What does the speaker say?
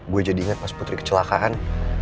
gue jadi inget pas putri kecelakaan